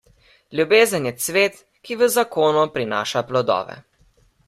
Ljubezen je cvet, ki v zakonu prinaša plodove.